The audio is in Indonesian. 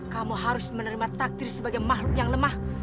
kamu harus menerima takdir sebagai makhluk yang lemah